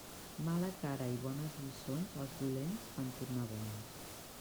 Mala cara i bones lliçons, als dolents fan tornar bons.